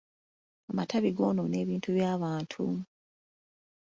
Amatabi goonoona ebintu by'abantu.